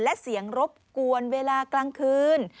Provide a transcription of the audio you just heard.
และเสียงรบกวนเวลากลางคืน